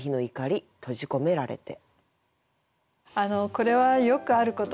これはよくあることですね。